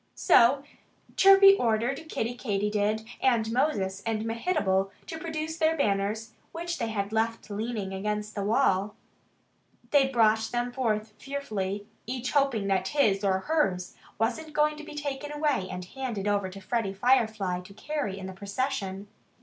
So Chirpy ordered Kiddie Katydid and Moses and Mehitable to produce their banners, which they had left leaning against the wall. They brought them forth fearfully, each hoping that his or hers wasn't going to be taken away and handed over to Freddie Firefly to carry in the procession.